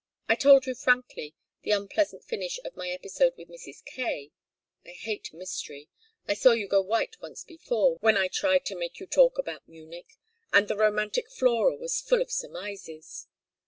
I told you frankly the unpleasant finish of my episode with Mrs. Kaye. I hate mystery. I saw you go white once before, when I tried to make you talk about Munich; and the romantic Flora was full of surmises.